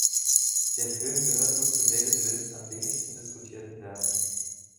Der Film gehört wohl zu David Lynchs am wenigsten diskutierten Werken.